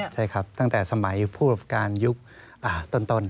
ใช่ครับตั้งแต่สมัยผู้ประการยุคต้น